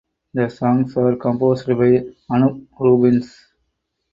The songs are composed by Anup Rubens.